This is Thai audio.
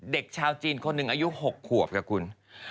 เด็กชาวจีนคนหนึ่งอายุ๖ขวบกับคุณ